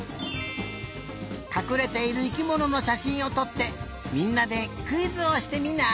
かくれている生きもののしゃしんをとってみんなでクイズをしてみない？